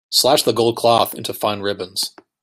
Slash the gold cloth into fine ribbons.